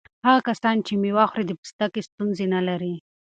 هغه کسان چې مېوه خوري د پوستکي ستونزې نه لري.